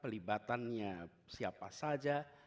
pelibatannya siapa saja